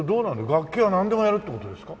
楽器はなんでもやるっていう事ですか？